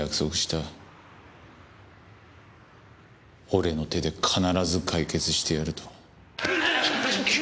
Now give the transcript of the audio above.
俺の手で必ず解決してやると。